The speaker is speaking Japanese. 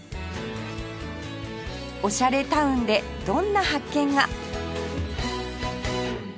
オシャレタウンでどんな発見が？